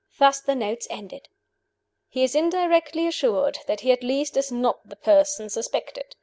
Thus the notes ended: "He is indirectly assured that he at least is not the person suspected.